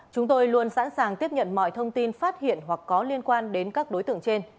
chúng tôi luôn sẵn sàng tiếp nhận mọi thông tin phát hiện hoặc có liên quan đến các đối tượng trên